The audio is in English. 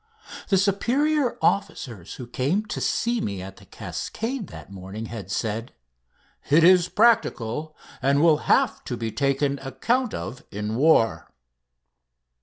The superior officers who came to me at "The Cascade" that morning had said: "It is practical, and will have to be taken account of in war."